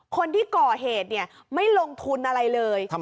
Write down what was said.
คนที่ก่อเหตุไม่ลงทุนอะไรเลย